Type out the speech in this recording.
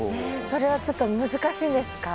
それはちょっと難しいんですか？